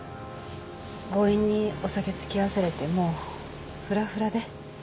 強引にお酒付き合わされてもうフラフラで。